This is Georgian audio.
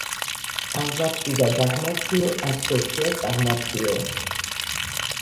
აღმართი და დაღმართიო, არც ერთია წაღმართიო